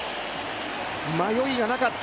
迷いがなかった。